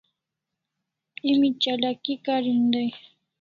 Emi chalaki karin dai